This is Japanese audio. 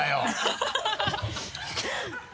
ハハハ